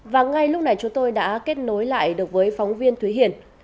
và ngay lúc này chúng tôi đã kết nối lại được với phóng viên thúy hiền